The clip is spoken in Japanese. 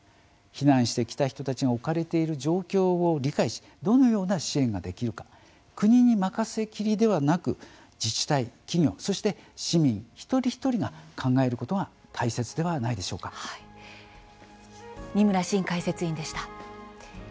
避難してきた人たちが置かれている状況を理解しどのような支援ができるか国に任せきりではなく自治体、企業、そして市民一人一人が考えることが二村伸解説委員でした。